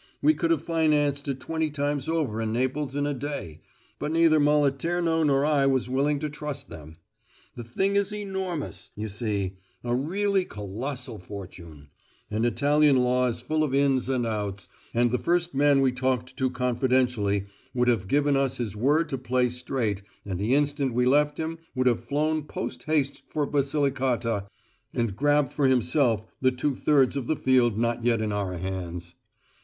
We could have financed it twenty times over in Naples in a day, but neither Moliterno nor I was willing to trust them. The thing is enormous, you see a really colossal fortune and Italian law is full of ins and outs, and the first man we talked to confidentially would have given us his word to play straight, and, the instant we left him, would have flown post haste for Basilicata and grabbed for himself the two thirds of the field not yet in our hands.